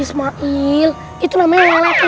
ismail itu namanya yang lalap enam